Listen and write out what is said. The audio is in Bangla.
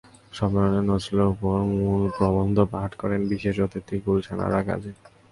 সম্মেলনে নজরুলের ওপর মূল প্রবন্ধ পাঠ করেন বিশেষ অতিথি গুলশান আরা কাজী।